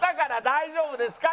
大丈夫ですか？